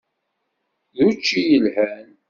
D učči yelhan.